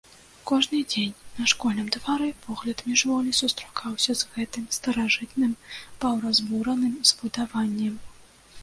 Кожны дзень на школьным двары погляд міжволі сустракаўся з гэтым старажытным, паўразбураным збудаваннем.